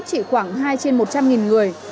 chỉ khoảng hai trên một trăm linh người